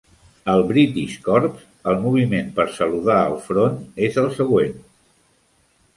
Al British Corps, el moviment per saludar al front és el següent.